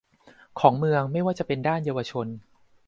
ของเมืองไม่ว่าจะเป็นด้านเยาวชน